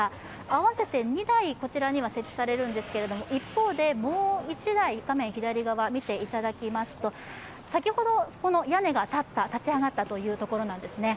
合わせて２台、こちらには設置されるんですけども、一方で画面左側、見ていただきますと先ほど屋根が立ち上がったというところなんですね。